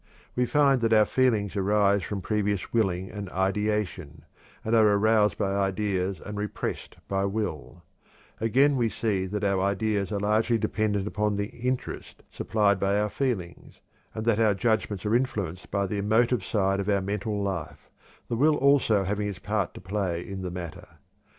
We find that our feelings arise from previous willing and ideation, and are aroused by ideas and repressed by will; again we see that our ideas are largely dependent upon the interest supplied by our feelings, and that our judgments are influenced by the emotive side of our mental life, the will also having its part to play in the matter.